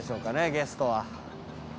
ゲストは。